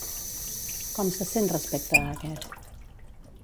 Com se sent respecte a aquest?